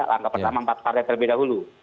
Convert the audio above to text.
langkah pertama empat partai terlebih dahulu